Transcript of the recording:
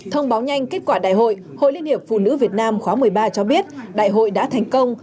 thông báo nhanh kết quả đại hội hội liên hiệp phụ nữ việt nam khóa một mươi ba cho biết đại hội đã thành công